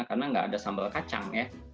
karena tidak ada sambal kacang